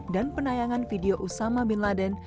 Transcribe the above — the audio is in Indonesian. dan penayangan video usama bin laden